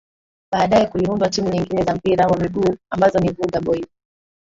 Baadae kuliundwa timu nyengine za mpira wa miguu ambazo ni Vuga Boys